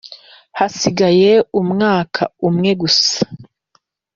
Hasigaye umwaka umwe gusa,